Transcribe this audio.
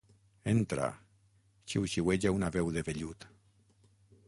Entra! —xiuxiueja una veu de vellut.